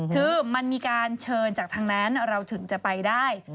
คือมันมีการเชิญจากทางนั้นเราถึงจะไปได้